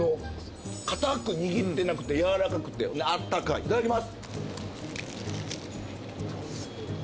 固く握ってなくて柔らかくて温かいいただきます。